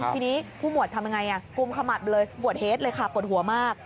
ทีนี้ผู้หมวดทำยังไงกุมขมับเลยบวชเฮดเลยค่ะปวดหัวมาก